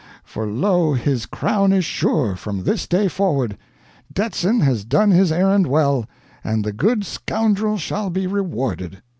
for lo, his crown is sure from this day forward! Detzin has done his errand well, and the good scoundrel shall be rewarded!"